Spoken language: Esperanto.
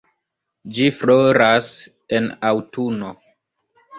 Ĝi floras en aŭtuno.